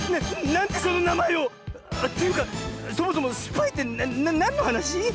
なんでそのなまえを⁉というかそもそもスパイってなんのはなし？